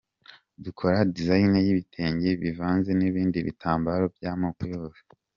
Dukora design y’ibitenge bivanze n’ibindi bitambaro by’amoko yose.